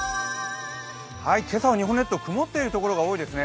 今朝は日本列島、曇っているところが多いですね。